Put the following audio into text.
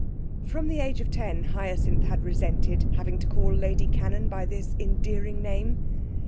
From the age of ten Hyacinth had resented having to call Lady Cannon by this endearing name.